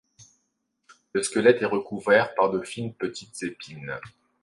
Le squelette est recouvert par de fines petites épines.